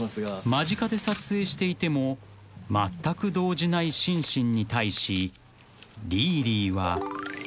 ［間近で撮影していてもまったく動じないシンシンに対しリーリーは］